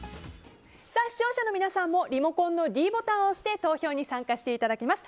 視聴者の皆さんもリモコンのｄボタンを押して投票に参加していただきます。